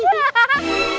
tuh tuh aku